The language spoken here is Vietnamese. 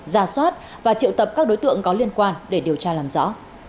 ra soát và triệu tập các đối tượng có liên quan để điều tra làm rõ